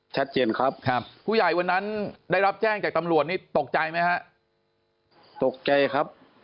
ชัดเจนครับครับผู้ใหญ่วันนั้นได้รับแจ้งจากตำรวจนี่ตกใจไหมฮะตกใจครับ